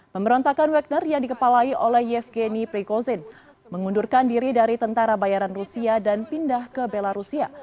pemberontakan wecker yang dikepalai oleh yefgeni pricozin mengundurkan diri dari tentara bayaran rusia dan pindah ke belarusia